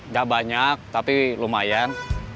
gak banyak tapi lumayan